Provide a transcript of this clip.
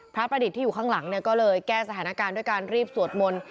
ประดิษฐ์ที่อยู่ข้างหลังก็เลยแก้สถานการณ์ด้วยการรีบสวดมนต์